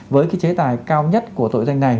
với cái chế tài cao nhất của tội danh này